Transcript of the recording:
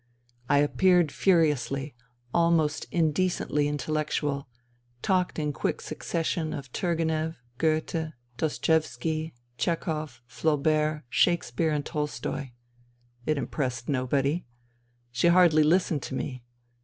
I appeared furiously, almost indecently intellectual, talked in quick succession of Turgenev, Goethe, Dostoevski, Chehov, Flaubert, Shakespeare and Tolstoy. It impressed nobody. She hardly listened to me.